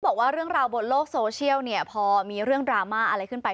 บอกว่าเรื่องราวบนโลกโซเชียลเนี่ยพอมีเรื่องดราม่าอะไรขึ้นไป